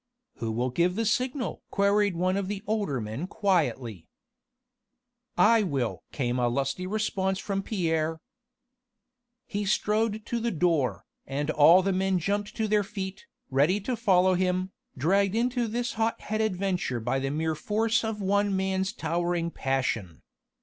"Who will give the signal?" queried one of the older men quietly. "I will!" came a lusty response from Pierre. He strode to the door, and all the men jumped to their feet, ready to follow him, dragged into this hot headed venture by the mere force of one man's towering passion.